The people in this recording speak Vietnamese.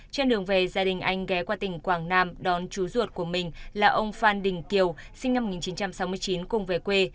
trên đường về gia đình anh ghé qua tỉnh quảng nam đón chú ruột của mình là ông phan đình kiều sinh năm một nghìn chín trăm sáu mươi chín cùng về quê